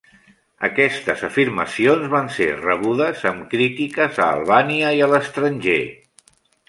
Aquestes afirmacions van ser rebudes amb crítiques a Albània i a l'estranger.